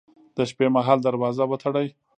د شپې مهال دروازه وتړئ